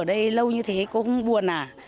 cô ở đây lâu như thế cô không buồn à